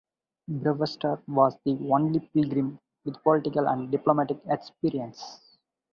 Brewster was the only Pilgrim with political and diplomatic experience.